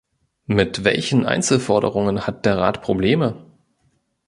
Mit welchen Einzelforderungen hat der Rat Probleme?